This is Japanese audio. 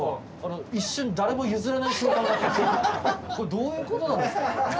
どういうことなんですか？